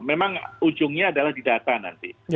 memang ujungnya adalah di data nanti